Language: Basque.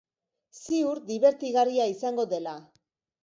Ziur dibertigarria izango dela.